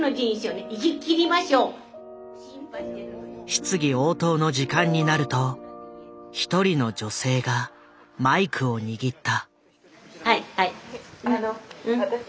質疑応答の時間になると一人の女性がマイクを握った。